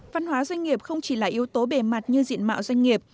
văn hóa doanh nghiệp không chỉ là yếu tố bề mặt như diện mạo doanh nghiệp